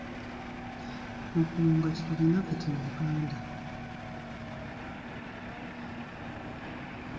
Okuwonga kye tulina kati mu Luganda.